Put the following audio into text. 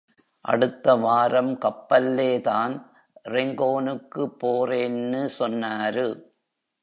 அடுத்தவாரம் கப்பல்லே தான் ரெங்கோனுக்குப் போறேன்னு சொன்னாரு.